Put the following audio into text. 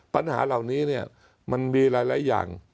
ปัญหาเหล่านี้เนี่ยมันมีหลายอย่าง